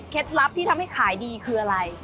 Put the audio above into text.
เคล็ดลับที่ให้ให้ขายดีคืออะไร